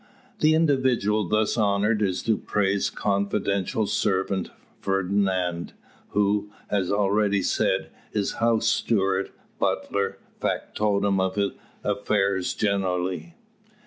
The individual thus honoured is Dupre's confidential servant Fernand; who, as already said, is house steward, butler, factotum of affairs generally.